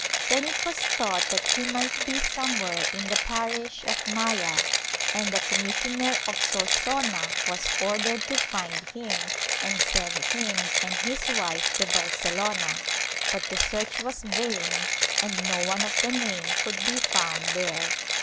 Then it was thought that he might be somewhere in the parish of Maya, and the commissioner of Solsona was ordered to find him and send him and his wife to Barcelona, but the search was vain and no one of the name could be found there.